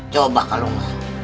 coba kalau enggak